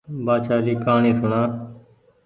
بآڇآ ري ڪهآڻي سوڻا